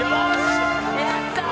「やったー！